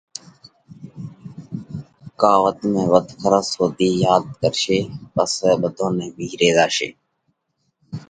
ڪا وڌ ۾ وڌ کرس ۿُوڌِي ياڌ ڪرشي پسئہ ٻڌون نئہ وِيهري زاشي۔